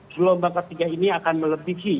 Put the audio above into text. gelombang ketiga ini akan melebihi